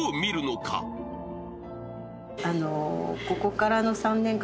ここからの３年間。